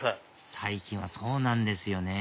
最近はそうなんですよね